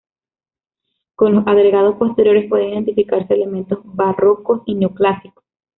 Con los agregados posteriores pueden identificarse elementos barrocos y neoclásicos.